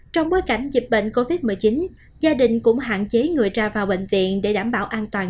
trong bối cảnh dịch bệnh covid một mươi chín gia đình cũng hạn chế người ra vào bệnh viện để đảm bảo an toàn